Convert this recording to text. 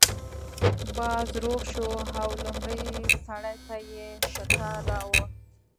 باز روغ شو او لومړي سړي ته یې شکار راوړ.